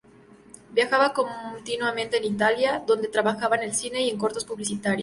Viajaba continuamente a Italia, donde trabajaba en cine y en cortos publicitarios.